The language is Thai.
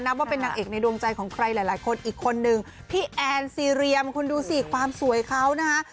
ว่าเป็นนางเอกในดวงใจของใครหลายคนอีกคนนึงพี่แอนซีเรียมคุณดูสิความสวยเขานะฮะ